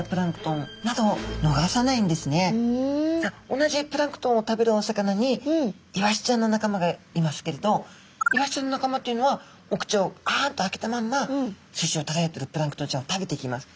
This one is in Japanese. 同じプランクトンを食べるお魚にイワシちゃんの仲間がいますけれどイワシちゃんの仲間というのはお口をあんと開けたまんま水中をただよっているプランクトンちゃんを食べていきます。